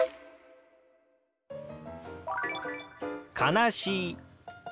「悲しい」。